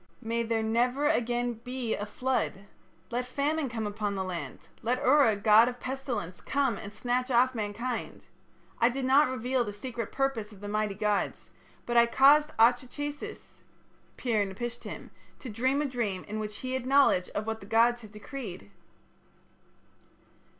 May there never again be a flood. Let famine come upon the land; let Ura, god of pestilence, come and snatch off mankind.... I did not reveal the secret purpose of the mighty gods, but I caused Atra chasis (Pir napishtim) to dream a dream in which he had knowledge of what the gods had decreed.'